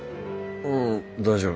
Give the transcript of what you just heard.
ううん大丈夫。